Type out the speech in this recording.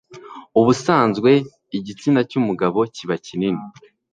Ubusanzwe igitsina cy'umugabo kiba kinini